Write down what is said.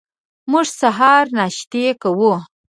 موږ سهار ناشتې کوو.